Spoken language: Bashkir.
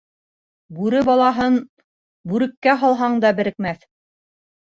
Бүре балаһын бүреккә һалһаң да берекмәҫ.